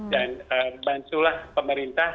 dan bantulah pemerintah